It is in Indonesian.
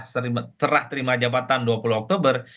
serah terima jabatan dua puluh oktober